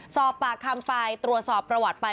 สอบปากคำไปตรวจสอบประวัติไป